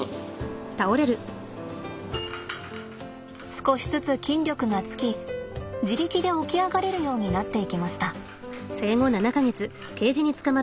少しずつ筋力がつき自力で起き上がれるようになっていきました。